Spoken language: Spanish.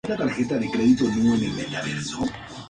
Tambourine Man" con Bob Dylan.